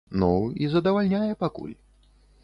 Ну, і задавальняе пакуль.